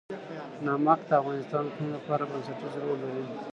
نمک د افغانستان د ټولنې لپاره بنسټيز رول لري.